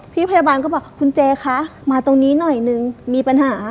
พี่พยาบาลก็บอกคุณเจคะมาตรงนี้หน่อยนึงมีปัญหา